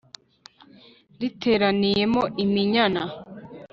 Riteraniyemo Iminyana